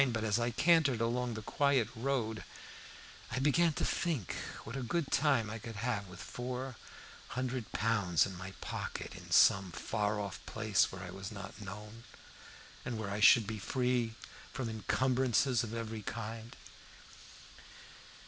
But as I cantered along the quiet road I began to think what a good time I could have with four hundred pounds in my pocket, in some far off place where I was not known, and where I should be free from incumbrances of every kind.